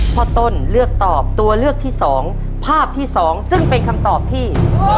พ่อต้นเลือกตอบตัวเลือกที่๒ภาพที่๒ซึ่งเป็นคำตอบที่